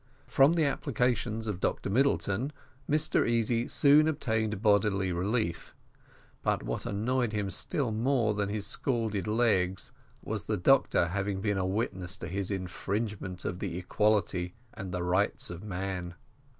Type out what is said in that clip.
From the applications of Dr Middleton, Mr Easy soon obtained bodily relief; but what annoyed him still more than his scalded legs, was the doctor having been a witness to his infringement of the equality and rights of man.